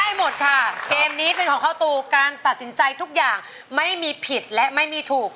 หมดค่ะเกมนี้เป็นของข้าวตูการตัดสินใจทุกอย่างไม่มีผิดและไม่มีถูก